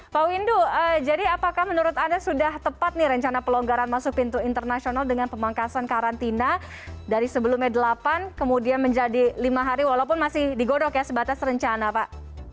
pak windu jadi apakah menurut anda sudah tepat nih rencana pelonggaran masuk pintu internasional dengan pemangkasan karantina dari sebelumnya delapan kemudian menjadi lima hari walaupun masih digodok ya sebatas rencana pak